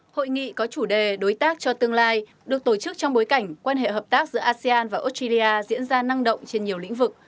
hội nghị có chủ đề đối tác cho tương lai được tổ chức trong bối cảnh quan hệ hợp tác giữa asean và australia diễn ra năng động trên nhiều lĩnh vực